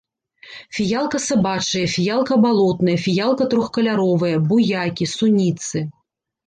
Фіялка сабачая, фіялка балотная, фіялка трохкаляровая, буякі, суніцы.